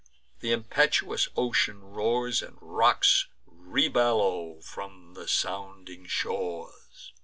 Th' impetuous ocean roars, And rocks rebellow from the sounding shores.